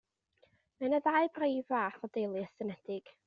Mae yna ddau brif fath o deulu estynedig